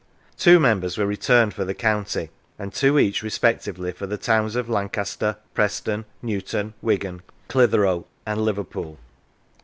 Two members were returned for the county, and two each respectively for the towns of Lancaster, Preston, Newton, Wigan, Clitheroe, and Liverpool.